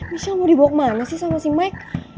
michelle mau dibawa kemana sih sama si mike